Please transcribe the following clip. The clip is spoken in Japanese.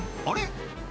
あれ？